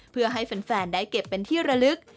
เพื่อให้แฟนได้เก็บเป็นที่ระลึก